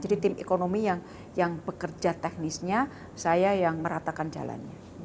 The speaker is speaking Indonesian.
jadi tim ekonomi yang bekerja teknisnya saya yang meratakan jalannya